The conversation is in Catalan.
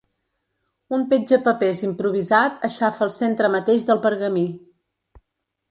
Un petjapapers improvisat aixafa el centre mateix del pergamí.